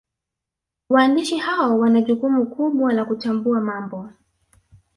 Waandishi hao wana jukumu kubwa la kuchambua mambo